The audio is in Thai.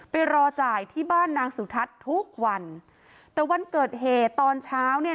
ไปรอจ่ายที่บ้านนางสุทัศน์ทุกวันแต่วันเกิดเหตุตอนเช้าเนี่ย